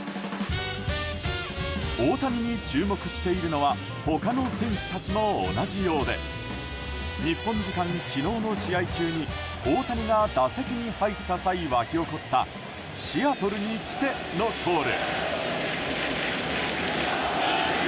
大谷に注目しているのは他の選手たちも同じようで日本時間昨日の試合中大谷が打席に入った際沸き起こったシアトルに来て！のコール。